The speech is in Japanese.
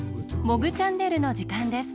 「モグチャンネル」のじかんです。